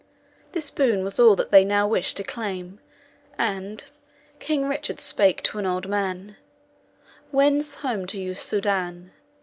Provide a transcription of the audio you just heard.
This boon was all that they now wished to claim; and "King Richard spake to an old man, 'Wendes home to your Soudan!